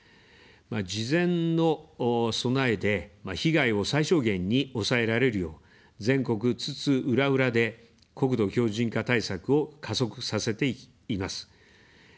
事前の備えで被害を最小限に抑えられるよう、全国津々浦々で国土強じん化対策を加速させています。